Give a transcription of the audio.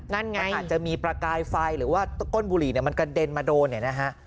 นั่นไงมันอาจจะมีประกายไฟหรือว่าก้นบุหรี่มันกระเด็นมาโดนเนี่ยนะฮะ